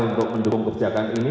untuk mendukung kebijakan ini